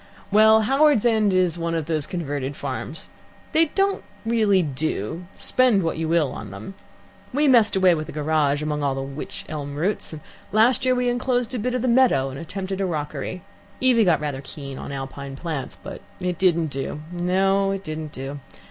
"Well, Howards End is one of those converted farms. They don't really do, spend what you will on them. We messed away with a garage all among the wych elm roots, and last year we enclosed a bit of the meadow and attempted a mockery. Evie got rather keen on Alpine plants. But it didn't do no, it didn't do.